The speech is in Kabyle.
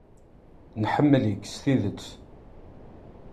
Nḥemmel-ik s tidet.